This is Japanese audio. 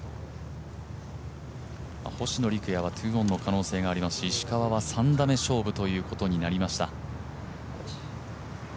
星野陸也は２オンの可能性がありますし石川は３打目勝負というところになりました。